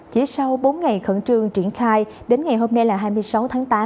chỉ sau bốn ngày khẩn trương triển khai đến ngày hôm nay là hai mươi sáu tháng tám